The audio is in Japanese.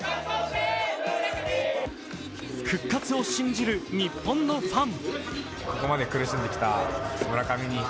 復活を信じる日本のファン。